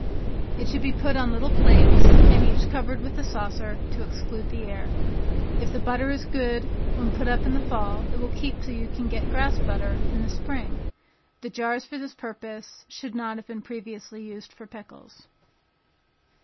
It should be put on little plates, and each covered with a saucer, to exclude the air. If the butter is good when put up in the fall, it will keep till you can get grass butter, in the spring. The jars for this purpose should not have been previously used for pickles.